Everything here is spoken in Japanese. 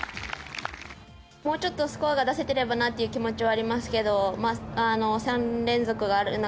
もうちょっとスコアが出せてればなという気持ちはありますが３連続がある中